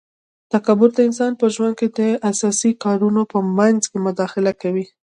تکبر د انسان په ژوند کي د اساسي کارونو په منځ کي مداخله کوي